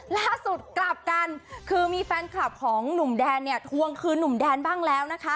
ล่าสุดกลับกันคือมีแฟนคลับของหนุ่มแดนเนี่ยทวงคืนหนุ่มแดนบ้างแล้วนะคะ